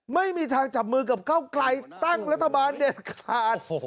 ไม่มีทางจับมือกับเก้าไกลตั้งรัฐบาลเด็ดขาด